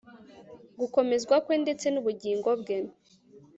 gukomezwa kwe ndetse n'ubugingo bwe